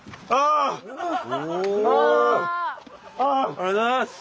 ありがとうございます。